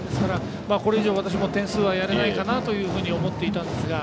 これ以上、私も点数はやれないかなと思っていたんですが。